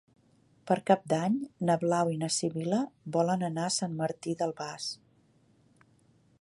Per Cap d'Any na Blau i na Sibil·la volen anar a Sant Martí d'Albars.